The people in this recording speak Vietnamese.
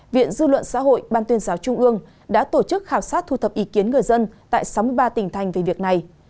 viện dư luận xã hội ban tuyên giáo trung ương đã tổ chức khảo sát thu thập ý kiến người dân tại sáu mươi ba tỉnh thành về việc này